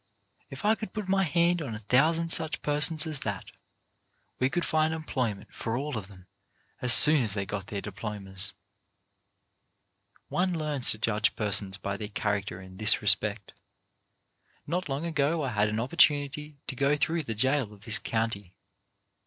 If I could put my hand on a thousand such persons as that, we could find employment for all of them as soon as they got their diplomas. One learns to judge persons by their character in this respect. Not long ago I had an oppor tunity to go through the jail of this county.